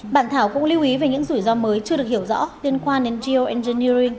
bản thảo cũng lưu ý về những rủi ro mới chưa được hiểu rõ liên quan đến geoengineering